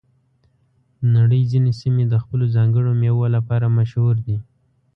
د نړۍ ځینې سیمې د خپلو ځانګړو میوو لپاره مشهور دي.